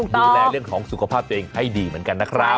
ดูแลเรื่องของสุขภาพตัวเองให้ดีเหมือนกันนะครับ